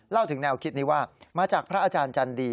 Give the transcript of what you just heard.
ถึงแนวคิดนี้ว่ามาจากพระอาจารย์จันดี